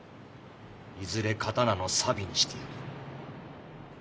いずれ刀のサビにしてやる。